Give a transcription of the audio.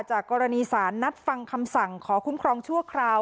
กรณีสารนัดฟังคำสั่งขอคุ้มครองชั่วคราว